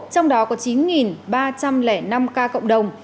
trong đó có chín ba trăm linh năm ca cộng đồng